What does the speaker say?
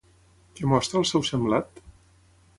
Què mostra al seu semblat?